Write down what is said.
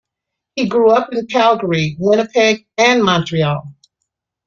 He grew up in Calgary, Winnipeg, and Montreal.